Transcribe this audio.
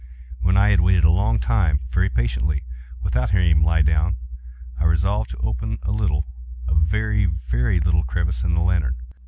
When I had waited a long time, very patiently, without hearing him lie down, I resolved to open a little—a very, very little crevice in the lantern.